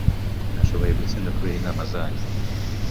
Nashoboye gutsinda kubera inama zanyu.